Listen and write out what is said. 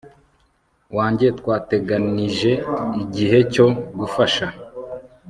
wanjye twateganyije igihe cyo gufasha